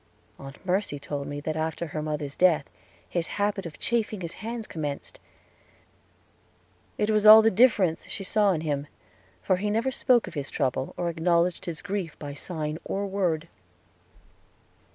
Aunt Mercy told me that after her mother's death his habit of chafing his hands commenced; it was all the difference she saw in him, for he never spoke of his trouble or acknowledged his grief by sign or word.